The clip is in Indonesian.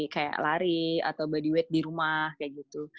kayak lari atau body weight di rumah kayak gitu